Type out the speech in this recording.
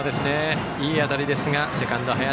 いい当たりですがセカンド、林。